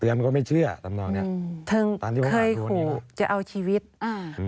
เตือนก็ไม่เชื่อตอนนี้ถึงเคยหูจะเอาชีวิตอืม